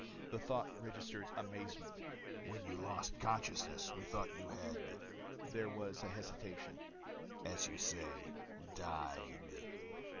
The thought registered amazement. "When you lost consciousness, we thought you had" there was a hesitation "as you say, died."